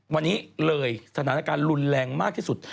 วันนี้เลยสถานการณ์รุนแรงมากที่สุด